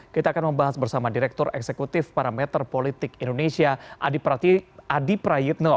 kita akan membahas bersama direktur eksekutif parameter politik indonesia adi prayitno